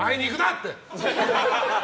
って。